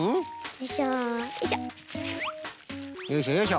よいしょよいしょ。